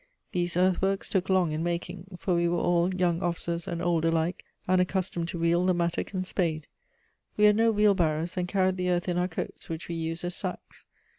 These earthworks took long in making, for we were all, young officers and old alike, unaccustomed to wield the mattock and spade. We had no wheelbarrows and carried the earth in our coats, which we used as sacks.